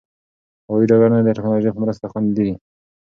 هوايي ډګرونه د ټکنالوژۍ په مرسته خوندي دي.